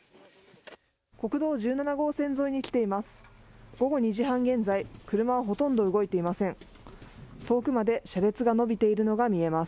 国道１７号線沿いに来ています。